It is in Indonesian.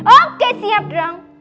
oke siap dong